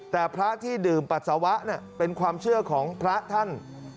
แต่พระที่ดื่มปัสสาวะเป็นความเชื่อของพระท่าน